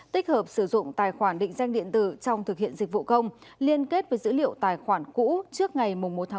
tích hợp sử dụng tài khoản định danh điện tử trong thực hiện dịch vụ công liên kết với dữ liệu tài khoản cũ trước ngày một bảy hai nghìn hai mươi bốn